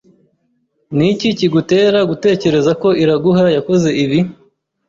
Niki kigutera gutekereza ko Iraguha yakoze ibi?